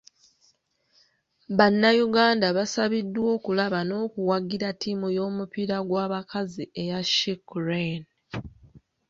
Bannayuganda basabiddwa okulaba n'okuwagira ttiimu y'omupiira gw'abakazi eya She Crane .